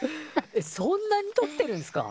そんなにとってるんすか？